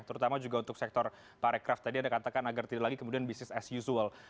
terutama juga untuk sektor pariwisata tadi anda katakan agar tidak lagi kemudian bisnis as usual